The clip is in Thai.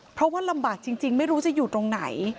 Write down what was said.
เพราะว่าลำบากจริงไม่รู้จะอยู่ตรงไหน